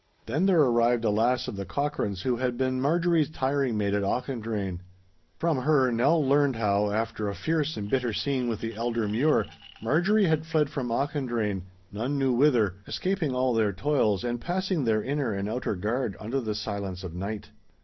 Then there arrived a lass of the Cochranes who had been Marjorie's tiring maid at Auchendrayne. From her Nell learned how, after a fierce and bitter scene with the elder Mure, Marjorie had fled from Auchendrayne none knew whither, escaping all their toils and passing their inner and outer guard under silence of night.